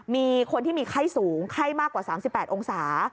มีคนที่มีไข้สูงไข้มากกว่า๓๘องศา